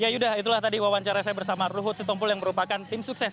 ya sudah itulah tadi wawancara saya bersama ruhut setompul yang merupakan tim sukses